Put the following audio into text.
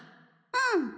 うん！